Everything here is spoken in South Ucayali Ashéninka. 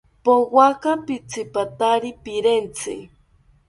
Powaka pitzipatari pirentzi